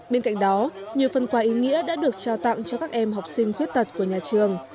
bên cạnh đó nhiều phần quà ý nghĩa đã được trao tặng cho các em học sinh khuyết tật của nhà trường